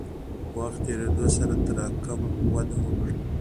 وخت تېرېدو سره تراکم وده وکړه.